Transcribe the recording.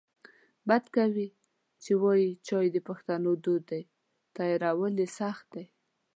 بد کوي چې وایې چای د پښتنو دود دی تیارول یې سخت دی